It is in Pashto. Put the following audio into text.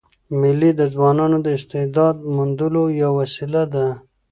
مېلې د ځوانانو د استعداد موندلو یوه وسیله ده.